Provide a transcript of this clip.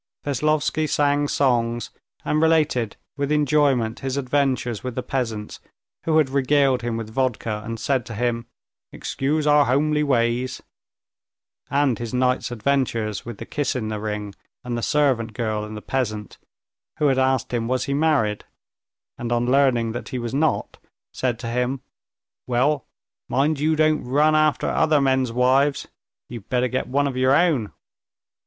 Veslovsky sang songs and related with enjoyment his adventures with the peasants, who had regaled him with vodka, and said to him, "Excuse our homely ways," and his night's adventures with kiss in the ring and the servant girl and the peasant, who had asked him was he married, and on learning that he was not, said to him, "Well, mind you don't run after other men's wives—you'd better get one of your own."